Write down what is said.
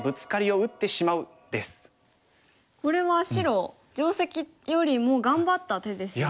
これは白定石よりも頑張った手ですよね。